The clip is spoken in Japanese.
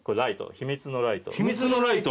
秘密のライト？